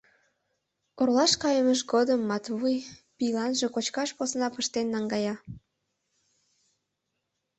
Оролаш кайымыж годым Матвуй пийланже кочкаш посна пыштен наҥгая.